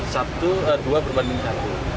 satu dua berbanding satu